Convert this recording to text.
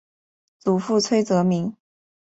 祖父崔则明。